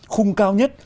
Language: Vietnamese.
khung cao nhất